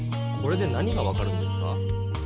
これで何が分かるんですか？